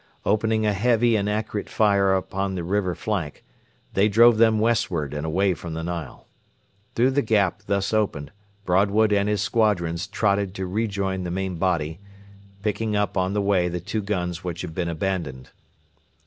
Opening a heavy and accurate fire upon the river flank, they drove them westward and away from the Nile. Through the gap thus opened Broadwood and his squadrons trotted to rejoin the main body, picking up on the way the two guns which had been abandoned.